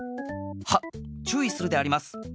はっちゅういするであります。